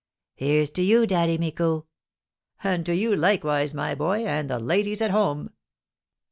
"Here's to you, Daddy Micou!" "And to you likewise, my boy, and the ladies at home!"